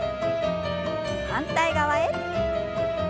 反対側へ。